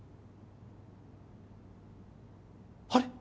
あれ？